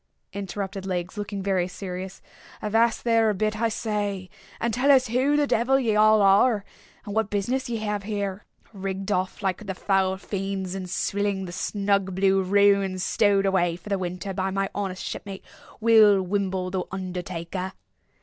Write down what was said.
interrupted Legs, looking very serious, "avast there a bit, I say, and tell us who the devil ye all are, and what business ye have here, rigged off like the foul fiends, and swilling the snug blue ruin stowed away for the winter by my honest shipmate, Will Wimble, the undertaker!"